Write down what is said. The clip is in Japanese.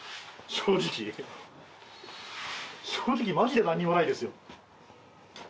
正直マジで何にもないですよ。